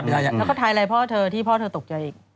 แล้วก็ทายอะไรพ่อเธอที่พ่อเธอตกใจอีก